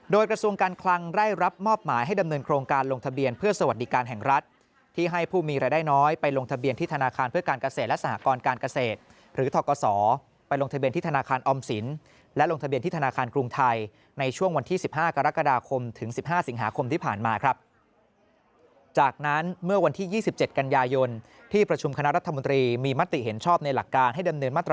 โดยกระทรวงการคลังไล่รับมอบหมายให้ดำเนินโครงการลงทะเบียนเพื่อสวัสดิการแห่งรัฐที่ให้ผู้มีรายได้น้อยไปลงทะเบียนที่ธนาคารเพื่อการเกษตรและสหกรการเกษตรหรือธกษอไปลงทะเบียนที่ธนาคารออมสินและลงทะเบียนที่ธนาคารกรุงไทยในช่วงวันที่๑๕กรกฎาคมถึง๑๕สิงหาคมที่ผ่าน